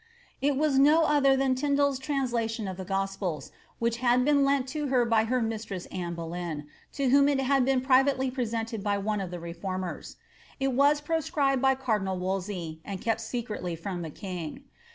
It was no other than TindaPs translation of the Gospels, which had been lent to her by her mistress Anne Boleyn, to whom it had been privately presented by one of the Reformers. It was proscribed by cardinal Wolsey, and kept secretly from the king.